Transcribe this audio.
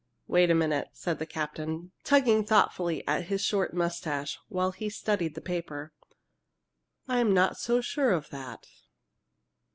"Wait a minute," said the captain, tugging thoughtfully at his short mustache, while he studied the paper, "I'm not so sure of that!"